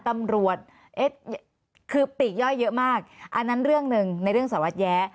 คือปลีกย่อยเยอะมากอันนั้นเรื่องหนึ่งในเรื่องสวรรค์แย้